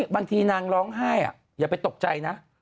บางทีนางร้องไห้อย่าไปตกใจนะ